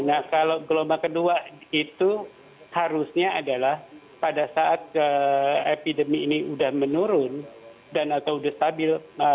nah kalau gelombang kedua itu harusnya adalah pada saat epidemi ini sudah menurun dan atau sudah stabil